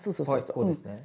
はいこうですね。